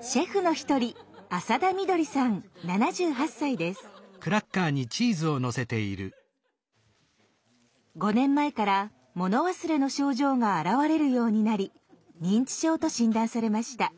シェフの一人５年前から物忘れの症状が現れるようになり認知症と診断されました。